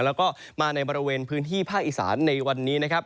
แล้วก็มาในบริเวณพื้นที่ภาคอีสานในวันนี้นะครับ